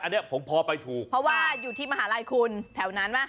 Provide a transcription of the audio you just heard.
อันนี้ผมพอไปถูกเพราะว่าอยู่ที่มหาลัยคุณแถวนั้นว่า